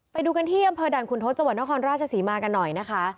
ไปดูกันที่อำเภอด่านคุณทศจนครราชสีมากันหน่อยนะคะ